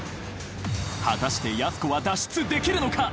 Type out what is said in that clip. ［果たしてやす子は脱出できるのか？］